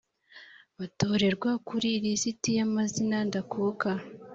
batorerwa kuri lisiti y amazina ndakuka